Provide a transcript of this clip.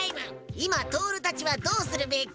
いまトオルたちはどうするべき？